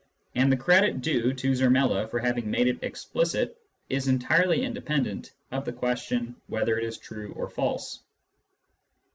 And the credit due to Zermelo for having made it explicit is entirely independent of the question whether it is true or false.